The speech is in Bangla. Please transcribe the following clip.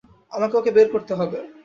আমাকে ওকে বের করতে হবে।